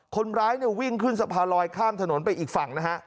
คนร้ายเนี่ยวิ่งขึ้นสะพานลอยข้ามถนนไปอีกฝั่งนะฮะ